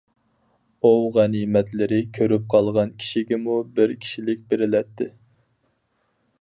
ئوۋ غەنىيمەتلىرى كۆرۈپ قالغان كىشىگىمۇ بىر كىشىلىك بېرىلەتتى.